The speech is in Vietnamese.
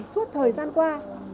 suốt thời gian qua